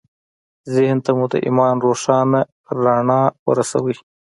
ذهن ته مو د ایمان روښانه رڼا ورسوئ